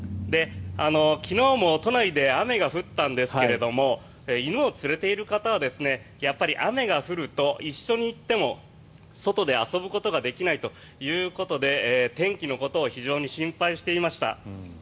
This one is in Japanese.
昨日も都内で雨が降ったんですけれども犬を連れている方はやっぱり雨が降ると一緒に行っても外で遊ぶことができないということで天気のことを非常に心配していました。